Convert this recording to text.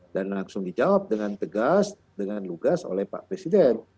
dan langsung dijawab dengan tegas dengan lugas oleh pak presiden